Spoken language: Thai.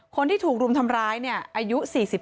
คนที่ถูกรุมทำร้ายเนี่ยอายุ๔๓